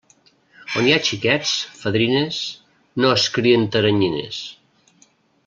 On hi ha xiquets, fadrines, no es crien teranyines.